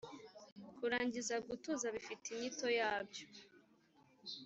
kurangiza gutuza bifite inyito yabyo